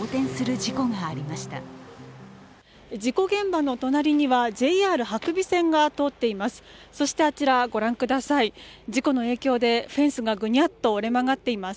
事故現場の隣にはＪＲ伯備線が通っています。